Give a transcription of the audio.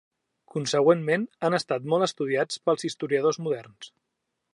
Consegüentment, han estat molt estudiats pels historiadors moderns.